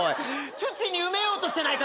土に埋めようとしてないか？